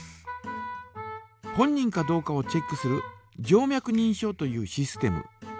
本人かどうかをチェックする静脈にんしょうというシステム。